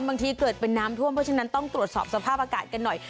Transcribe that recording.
บางทีเกิดเป็นน้ำท่วมเพราะฉะนั้นต้องตรวจสอบสภาพอากาศกันหน่อย